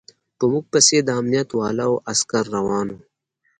په موږ پسې د امنيت والاو عسکر روان و.